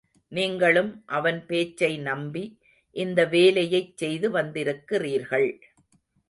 நீங்களும் அவன் பேச்சை நம்பி இந்த வேலையைச் செய்து வந்திருக்கிறீர்கள்.